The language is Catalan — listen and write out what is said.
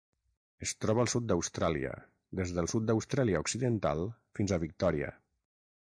Es troba al sud d'Austràlia: des del sud d'Austràlia Occidental fins a Victòria.